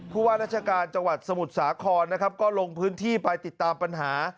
ว่าราชการจังหวัดสมุทรสาครนะครับก็ลงพื้นที่ไปติดตามปัญหา